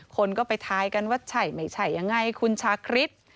คนก็ไปทายกันว่าใช่ไม่ใช่ยังไงคุณชาคริส